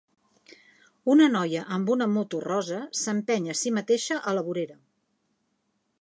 Una noia amb una moto rosa s'empeny a si mateixa a la vorera.